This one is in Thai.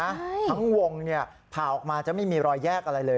ทั้งวงเนี่ยผ่าออกมาจะไม่มีรอยแยกอะไรเลย